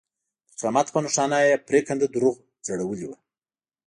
د قیامت په نښانه یې پرېکنده دروغ ځړولي وو.